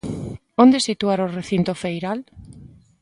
Onde situar o recinto feiral?